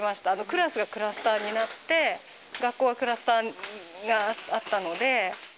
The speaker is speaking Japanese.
クラスがクラスターになって、学校がクラスターがあったので。